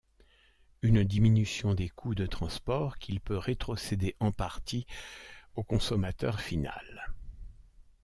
Une diminution des coûts de transport qu'il peut rétrocéder en partie au consommateur final.